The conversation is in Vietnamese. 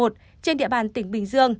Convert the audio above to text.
trên địa bàn tỉnh bình dương